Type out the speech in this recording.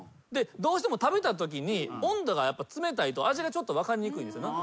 どうしても食べたときに温度が冷たいと味が分かりにくいんですよね。